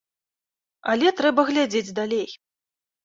Але трэба глядзець далей.